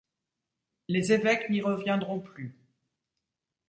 Les évêques n'y reviendront plus.